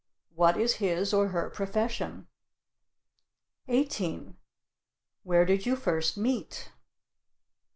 What is his or her profession? 18. Where did you first meet?